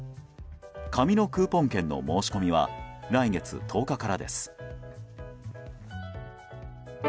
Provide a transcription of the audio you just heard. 紙のクーポン券の申し込みは来月１０日からです。